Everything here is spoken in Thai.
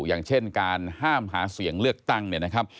อย่างเช่นการห้ามหาเสียงเลือกตั้งเนี่ยนะครับ